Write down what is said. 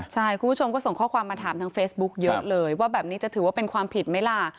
ใช่คุณผู้ชมก็ส่งข้อความมาถามทางเฟซบุ๊คเยอะเลยว่าแบบนี้จะถือว่าเป็นความผิดไหมล่ะ